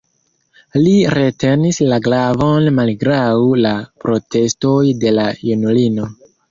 Li retenis la glavon malgraŭ la protestoj de la junulino.